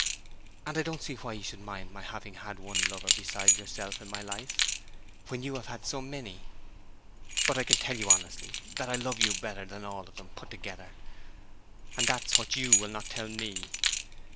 "And I don't see why you should mind my having had one lover besides yourself in my life, when you have had so many." "But I can tell you honestly that I love you better than all of them put together, and that's what you will not tell me!"